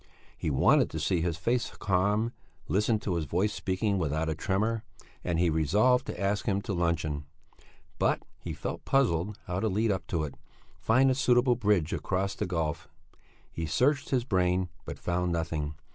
He wanted to see his face calm, listen to his voice speaking without a tremor, and he resolved to ask him to luncheon. But he felt puzzled how to lead up to it, find a suitable bridge across the gulf. He searched his brain, but found nothing.